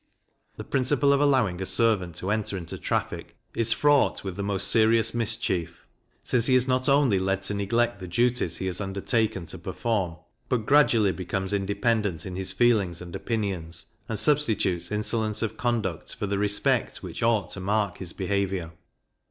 The principle of allowing a servant to enter into traffic, is fraught with the most serious mischief; since he is not only led to neglect the duties he has undertaken to perform, but gradually becomes independent in his feelings and opinions, and substitutes insolence of conduct for the respect which ought to mark his behaviour.